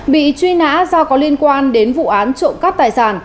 bị truy nã do có liên quan đến vụ án trộm cắp tài sản